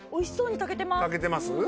炊けてます？